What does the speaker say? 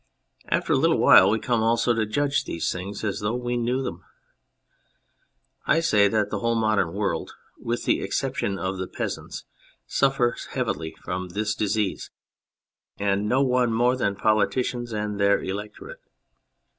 After a little while we come also to judge these things as though we knew them. I say that the whole modern world (with the exception of the peasants) suffers heavily from this disease, and no one more than politicians and their electorate.